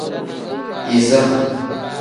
Iza.